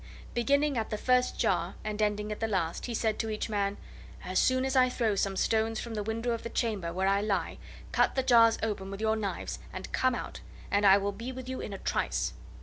Beginning at the first jar and ending at the last, he said to each man: "As soon as I throw some stones from the window of the chamber where I lie, cut the jars open with your knives and come out, and I will be with you in a trice."